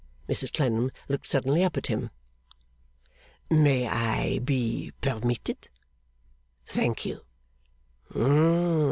Mrs Clennam looked suddenly up at him. 'May I be permitted? Thank you.